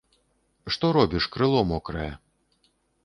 Што робіш, крыло мокрае.